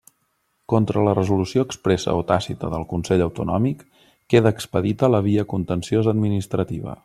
Contra la resolució expressa o tàcita del Consell Autonòmic queda expedita la via contenciosa administrativa.